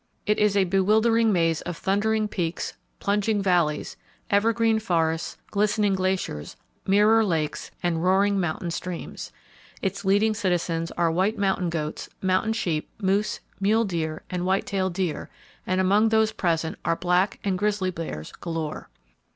It is a bewildering maze of thundering peaks, plunging valleys, evergreen forests, glistening glaciers, mirror lakes and roaring mountain streams. Its leading citizens are white mountain goats, mountain sheep, moose, mule deer and white tailed deer, and among those present are black and grizzly bears galore.